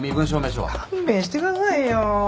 勘弁してくださいよ。